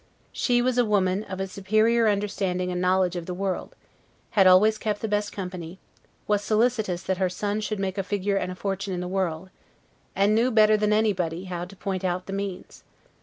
She was a woman of a superior understanding and knowledge of the world, had always kept the best company, was solicitous that her son should make a figure and a fortune in the world, and knew better than anybody how to point out the means.